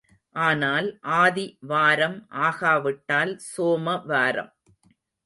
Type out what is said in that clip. ஆனால் ஆதி வாரம் ஆகாவிட்டால் சோம வாரம்.